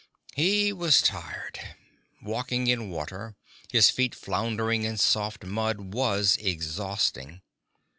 He was tired. Walking in water, his feet floundering in soft mud, was exhausting.